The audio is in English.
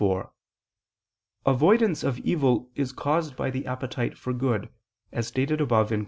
4: Avoidance of evil is caused by the appetite for good, as stated above (Q.